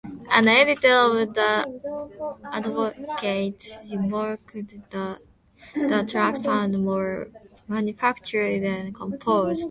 An editor of "The Advocate" remarked that the track sounded more manufactured than composed.